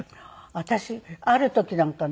私ある時なんかね